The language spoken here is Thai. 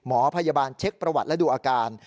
หมอพยาบาลเช็คประวัติและดูอาการ